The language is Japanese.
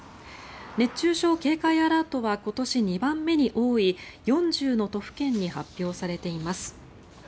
熱中症警戒アラートは今年２番目に多い４０の都府県に発表されています。